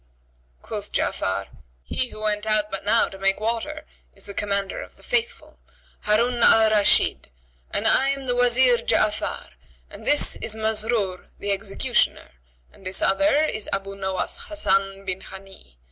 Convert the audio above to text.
Quoth Ja'afar, "He who went out but now to make water is the Commander of the Faithful, Harun al Rashid, and I am the Wazir Ja'afar; and this is Masrur the executioner and this other is Abu Nowas Hasan bin Hani..